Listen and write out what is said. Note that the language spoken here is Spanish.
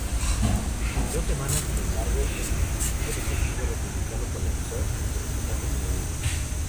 En dos semanas, sin embargo, el dispositivo defensivo republicano colapsó ante los ataques enemigos.